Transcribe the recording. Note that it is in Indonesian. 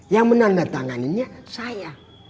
yang menandatangannya saya